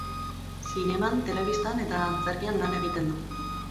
Zineman, telebistan eta antzerkian lan egiten du.